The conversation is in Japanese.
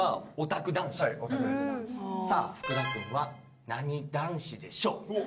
さぁ福田君は何男子でしょう？